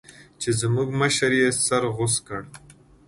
چې زموږ مشر يې سر غوڅ کړ.